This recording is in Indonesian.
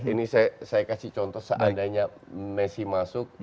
ini saya kasih contoh seandainya messi masuk